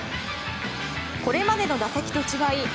これまでの打席と違い